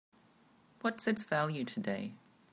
What's its value today?